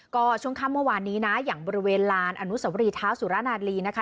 ก็ช่วงค่ำเมื่อวานนี้นะอย่างบริเวณลานอนุสวรีเท้าสุรนาลีนะคะ